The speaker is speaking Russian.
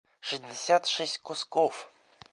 шестьдесят шесть кусков